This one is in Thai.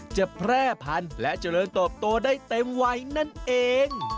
จะแพร่พันและเจริญตบตัวด้วยเต็มไว้นั่นเอง